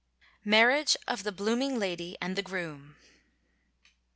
MARRIAGE OF THE Blooming Lady and the Groom.